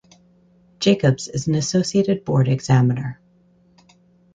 Jacobs is an Associated Board examiner.